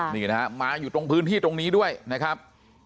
นี่นะฮะมาอยู่ตรงพื้นที่ตรงนี้ด้วยนะครับ